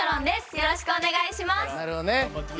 よろしくお願いします。